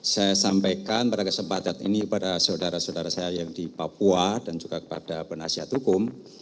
saya sampaikan pada kesempatan ini kepada saudara saudara saya yang di papua dan juga kepada penasihat hukum